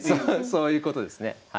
そういうことですね。